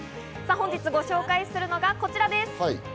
本日ご紹介するのはこちらです。